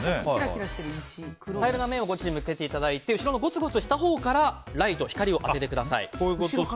平らな面をこっちに向けていただいて後ろのごつごつしたほうからライトを当ててください。